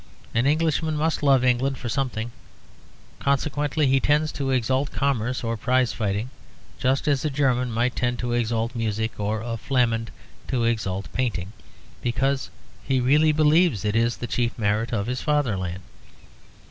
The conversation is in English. An Englishman must love England for something; consequently, he tends to exalt commerce or prize fighting, just as a German might tend to exalt music, or a Flamand to exalt painting, because he really believes it is the chief merit of his fatherland.